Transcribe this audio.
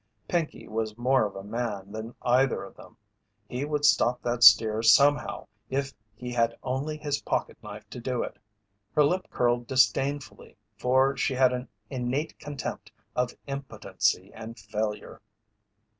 Pinkey was more of a man than either of them. He would stop that steer somehow if he had only his pocketknife to do it. Her lip curled disdainfully for she had an innate contempt of impotency and failure.